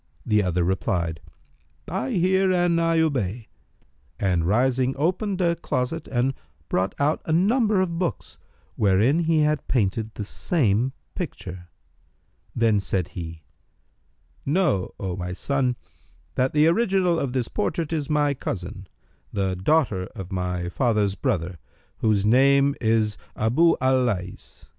The other replied, "I hear and I obey," and rising, opened a closet and brought out a number of books, wherein he had painted the same picture. Then said he, "Know, O my son, that the original of this portrait is my cousin, the daughter of my father's brother, whose name is Abъ al Lays.